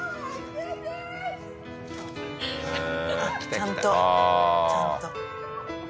ちゃんとちゃんと。